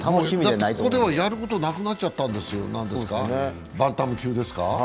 だって、ここではやることなくなっちゃったんですよ、バンタム級ですか。